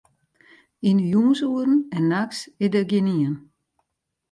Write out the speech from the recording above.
Yn 'e jûnsoeren en nachts is dêr gjinien.